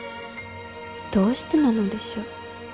どうしてなのでしょう。